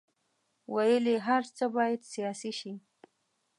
ولې هر څه باید سیاسي شي.